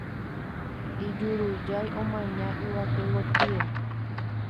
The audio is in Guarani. ijurujái omaña yvate gotyo